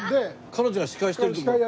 彼女が司会してる時に。